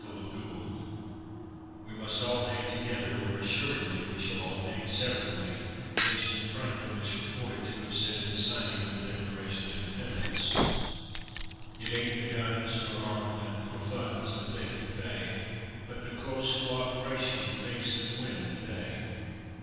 _ CO OPERATION "We must all hang together, or assuredly we shall all hang separately," Benjamin Franklin is reported to have said at the signing of the Declaration of Independence. It ain't the guns nor armament, Nor funds that they can pay, But the close co operation, That makes them win the day.